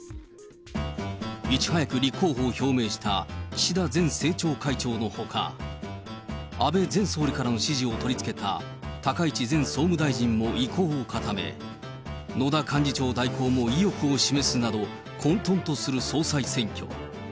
いち早く立候補を表明した、岸田前政調会長のほか、安倍前総理からの支持を取り付けた高市前総務大臣も意向を固め、野田幹事長代行も意欲を示すなど、混とんとする総裁選挙。